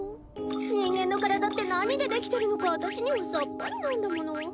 人間の体って何でできてるのかあたしにはさっぱりなんだもの